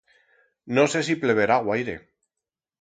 No sé si pleverá guaire.